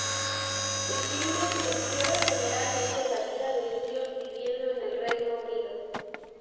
Sus filmes exploran generalmente la vida de indios viviendo en el Reino Unido.